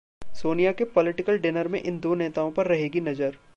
सोनिया के political dinner में इन दो नेताओं पर रहेगी नज़र